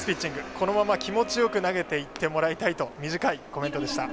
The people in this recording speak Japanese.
ここまま気持ちよく投げていってもらいたいと短いコメントでした。